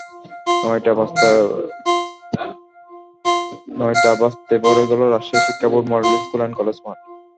নয়টা বাজতেই ভরে গেল রাজশাহী শিক্ষা board model school and college মাঠ।